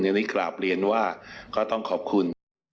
อันนี้กราบเรียนว่าก็ต้องขอบคุณ